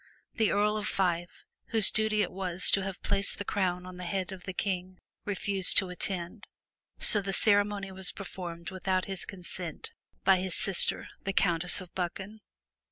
The Earl of Fife, whose duty it was to have placed the crown on the head of the king, refused to attend, so the ceremonial was per formed without his consent, by his sister, the Countess of Buchan.